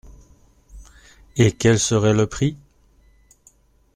Et… quel serait le prix ?